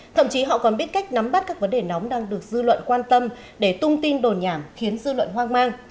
thậm chí họ còn biết cách nắm bắt các vấn đề nóng đang được dư luận quan tâm để tung tin đồn nhảm khiến dư luận hoang mang